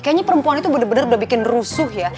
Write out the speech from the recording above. kayanya perempuan itu bener bener udah bikin rusuh ya